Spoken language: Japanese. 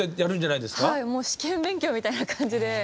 はいもう試験勉強みたいな感じで。